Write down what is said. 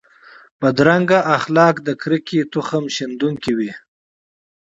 بدرنګه اخلاق د کرکې تخم شندونکي وي